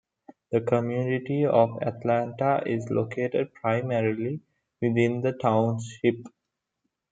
The community of Atlanta is located primarily within the township.